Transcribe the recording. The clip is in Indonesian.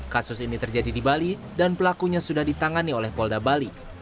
kasus ini terjadi di bali dan pelakunya sudah ditangani oleh polda bali